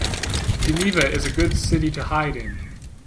Geneva is a good city to hide in.